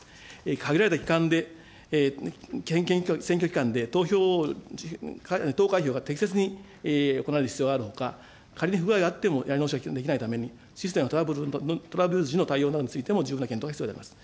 限られた期間で、選挙期間で投票を、投開票が適切に行われる必要があるのか、仮に不具合があってもやり直しができないために、システムのトラブル時の対応などについても重要な検討が必要であります。